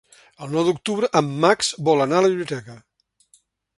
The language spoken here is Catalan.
El nou d'octubre en Max vol anar a la biblioteca.